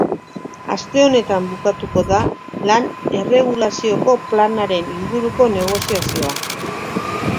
Aste honetan bukatuko da lan-erregulazioko planaren inguruko negoziazioa.